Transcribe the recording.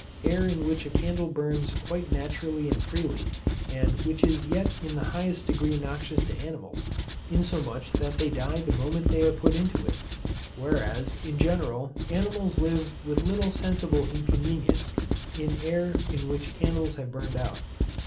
air in which a candle burns quite naturally and freely, and which is yet in the highest degree noxious to animals, insomuch that they die the moment they are put into it; whereas, in general, animals live with little sensible inconvenience in air in which candles have burned out.